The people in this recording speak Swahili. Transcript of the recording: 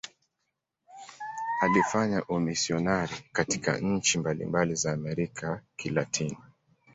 Alifanya umisionari katika nchi mbalimbali za Amerika ya Kilatini.